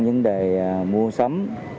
vấn đề mua sắm